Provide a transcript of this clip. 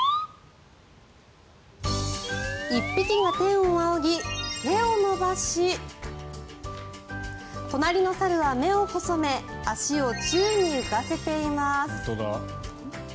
１匹が天を仰ぎ、手を伸ばし隣の猿は目を細め足を宙に浮かせています。